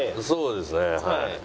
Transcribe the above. そうですねはい。